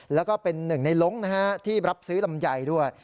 แล้วก็เป็นหนึ่งในล้งนะฮะที่รับซื้อลำไยด้วย